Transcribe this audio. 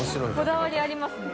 こだわりありますね。